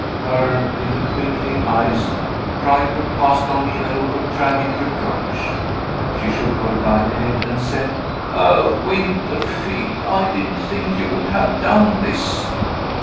Her little twinkling eyes tried to cast on me a look of tragic reproach; she shook her dyed head and said, "Oh. Winterfield, I didn't think you would have done this!